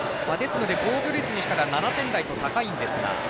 防御率としたら７点台と高いんですが。